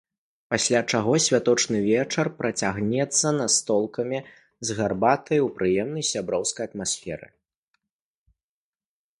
Пасля чаго святочны вечар працягнецца настолкамі з гарбатай у прыемнай сяброўскай атмасферы.